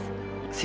dengan bapak haris